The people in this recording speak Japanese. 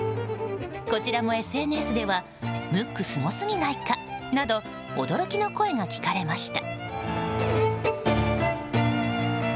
こちらもＳＮＳではムックがすごすぎないかなど驚きの声が聞かれました。